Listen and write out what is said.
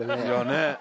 ねえ。